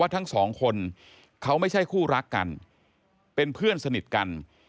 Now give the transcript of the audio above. ทั้งสองคนเขาไม่ใช่คู่รักกันเป็นเพื่อนสนิทกัน